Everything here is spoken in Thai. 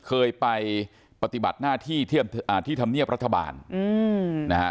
เคยไปปฏิบัติหน้าที่ที่ธรรมเนียบรัฐบาลนะฮะ